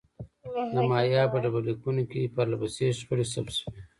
د مایا په ډبرلیکونو کې پرله پسې شخړې ثبت شوې.